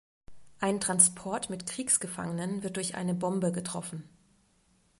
Ein Transport mit Kriegsgefangenen wird durch eine Bombe getroffen.